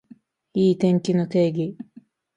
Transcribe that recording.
いい天気の定義